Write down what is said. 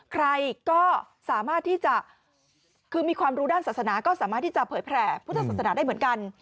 ใครก็สามารถที่จะคือมีความรู้ด้านศาสนาก็สามารถที่จะเผยแผ่พุทธศาสนาได้เหมือนกัน